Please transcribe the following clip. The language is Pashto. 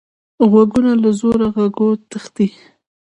غوږونه له زوره غږو تښتي